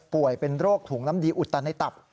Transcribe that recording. เป็นโรคถุงน้ำดีอุดตันในตับ